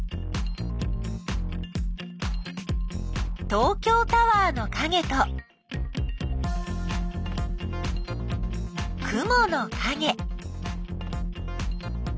東京タワーのかげと雲のかげ。